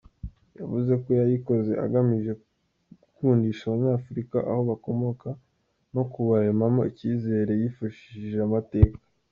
Yavuze ko yayikoze agamije gukundisha Abanyafurika aho bakomoka no kubaremamo icyizere yifashishije amateka.